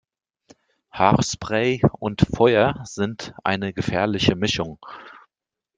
Haarspray und Feuer sind eine gefährliche Mischung